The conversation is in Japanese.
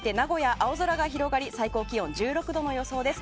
青空が広がり最高気温１６度の予想です。